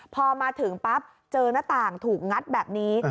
พอมาถึงปั๊บเจอหน้าต่างถูกงัดแบบนี้